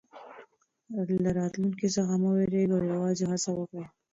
له راتلونکي څخه مه وېرېږئ او یوازې هڅه وکړئ.